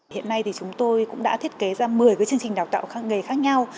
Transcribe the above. hiện nay thì chúng tôi cũng đã thiết kế ra một mươi cái chương trình đào tạo khác nghề khác nhau